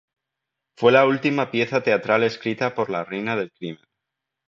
Fue la última pieza teatral escrita por La Reina del Crimen.